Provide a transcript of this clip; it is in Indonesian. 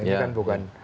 ini kan bukan